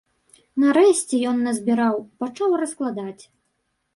Нарэшце ён назбіраў, пачаў раскладаць.